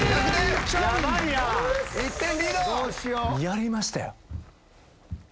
やりましたよ。